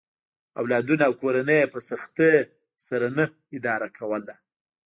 اولادونه او کورنۍ یې په سختۍ سره نه اداره کوله.